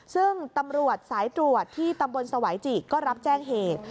ซึ่งตำรวจสายตรวจที่ตำบลสวายจิก็รับแจ้งเหตุ